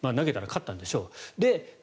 投げたら勝ったんでしょう。